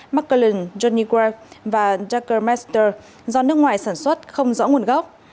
mạc cơ linh johnny graf và jacker master do nước ngoài sản xuất không rõ nguồn gốc